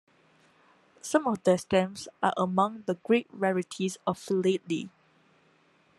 Some of their stamps are among the great rarities of philately.